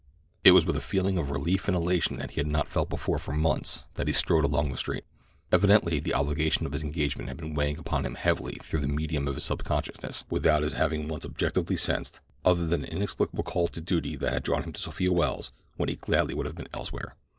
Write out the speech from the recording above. It was with a feeling of relief and elation that he had not felt before for months that he strode along the street. Evidently the obligation of his engagement had been weighing upon him heavily through the medium of his subconsciousness without his having once objectively sensed other than an inexplicable call to duty that had drawn him to Sophia Welles when he gladly would have been elsewhere.